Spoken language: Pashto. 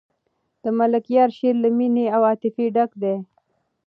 د ملکیار شعر له مینې او عاطفې ډک دی.